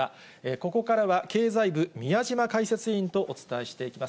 ここからは経済部、宮島解説委員とお伝えしていきます。